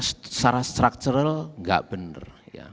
secara structural enggak benar